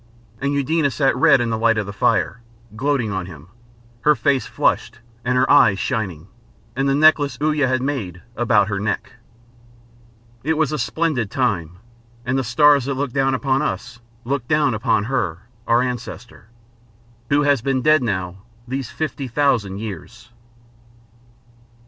And Eudena sat red in the light of the fire, gloating on him, her face flushed and her eyes shining, and the necklace Uya had made about her neck. It was a splendid time, and the stars that look down on us looked down on her, our ancestor who has been dead now these fifty thousand years.